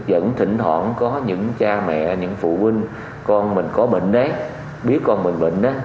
vẫn thỉnh thoảng có những cha mẹ những phụ huynh con mình có bệnh nát biết con mình bệnh